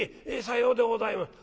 さようでございます。